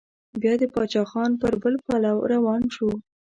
بيا د پاچا خان پر پل روان شو.